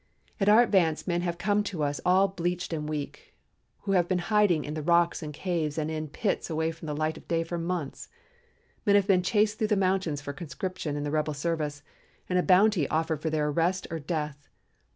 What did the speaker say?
"At our advance men have come to us all bleached and weak, who have been hiding in the rocks and caves and in pits away from the light of day for months. Men have been chased through the mountains for conscription in the rebel service, and a bounty offered for their arrest or death.